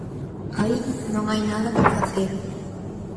_Aí non hai nada que facer...